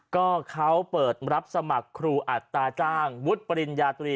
ก็เขาเปิดรับสมัครครูอัตราจ้างวุฒิปริญญาตรี